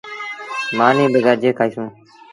مآݩيٚ با گڏجي کآئيٚسون۔